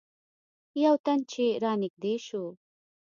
یو تن چې رانږدې شو.